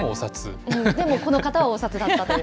でも、この方はお札だったという。